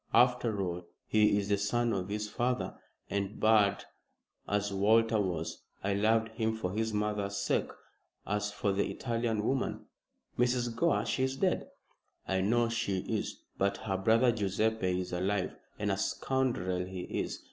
After all, he is the son of his father, and, bad as Walter was, I loved him for his mother's sake. As for the Italian woman " "Mrs. Gore! She is dead." "I know she is. But her brother Guiseppe is alive, and a scoundrel he is.